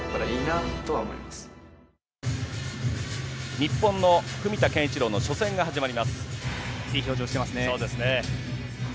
日本の文田健一郎の初戦が始いい表情をしてますね。